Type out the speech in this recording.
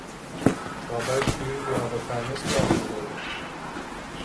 Dabei spielen wir aber keine Sklavenrolle.